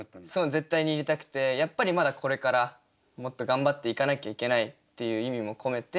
絶対に入れたくてやっぱりまだこれからもっと頑張っていかなきゃいけないっていう意味も込めて。